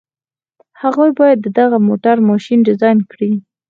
هغوی بايد د دغه موټر ماشين ډيزاين کړي.